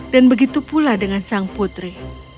dan begitu pula dengan sang putri